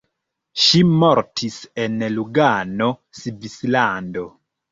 Ŝi mortis en Lugano, Svislando.